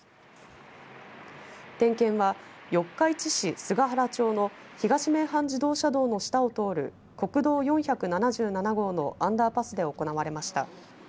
点検は四日市市菅原町の東名阪自動車道の下を通る国道４７７号のアンダーパスで行われました。